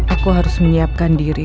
aku harus menyiapkan diri